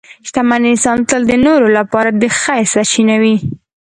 شتمن انسان تل د نورو لپاره د خیر سرچینه وي.